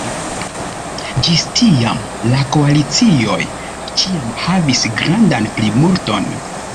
Ĝis tiam la koalicioj ĉiam havis grandan plimulton.